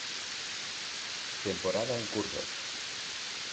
Temporada en curso.